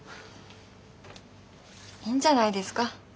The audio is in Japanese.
いいんじゃないですか。